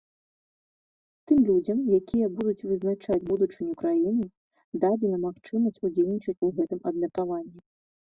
Тым людзям, якія будуць вызначаць будучыню краіны, дадзена магчымасць удзельнічаць у гэтым абмеркаванні.